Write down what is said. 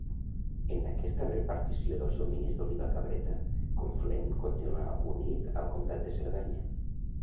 En aquesta repartició dels dominis d'Oliba Cabreta, Conflent continuà unit al comtat de Cerdanya.